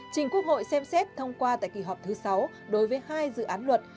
trình quốc hội xem xét thông qua tại kỳ họp thứ sáu đối với hai dự án luật